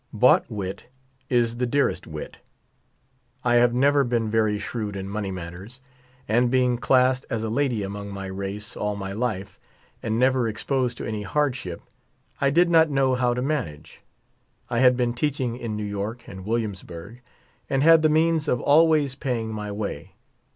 Bought wit is the dearest wit. I have never been very shrewd in money matters ; and being classed as a lady among my race all my life, and never exposed to any hardship, I did not know how to manage. I had l)een teaching in New York and Williamsburg, and had the means of always paying ray way.